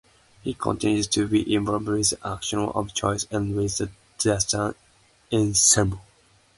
He continues to be involved with Axiom of Choice and with the Dastan ensemble.